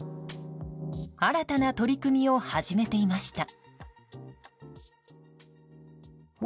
新たな取り組みを始めていました。